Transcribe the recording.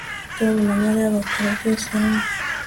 Tom na Mariya bakora byose hamwe